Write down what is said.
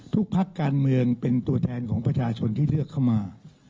พักการเมืองเป็นตัวแทนของประชาชนที่เลือกเข้ามา